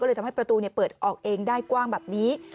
เลยทำให้ประตูเปิดออกเองได้กว้างแบบนี้